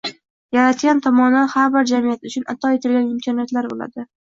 Yaratgan tomondan har bir jamiyat uchun ato etilgan imkoniyatlar bo‘ladi.